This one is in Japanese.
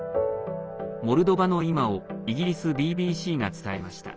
モルドバの今をイギリスＢＢＣが伝えました。